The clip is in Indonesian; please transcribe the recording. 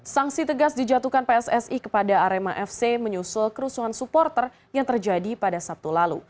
sanksi tegas dijatuhkan pssi kepada arema fc menyusul kerusuhan supporter yang terjadi pada sabtu lalu